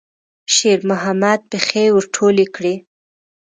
شېرمحمد پښې ور ټولې کړې.